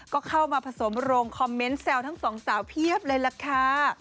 ก็เข้ามาผสมโรงคอมเมนต์แซวทั้งสองสาวเพียบเลยล่ะค่ะ